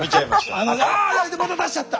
ああまた出しちゃった！